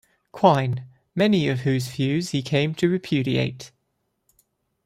Quine, many of whose views he came to repudiate.